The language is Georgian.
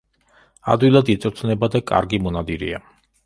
ადვილად იწვრთნება და კარგი მონადირეა.